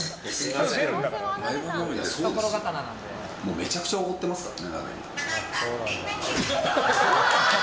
めちゃくちゃおごってますからね。